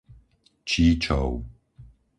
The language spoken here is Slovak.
Číčov